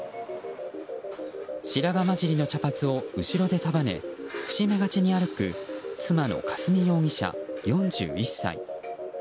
白髪交じりの茶髪を後ろで束ね伏し目がちに歩く妻の香澄容疑者、４１歳。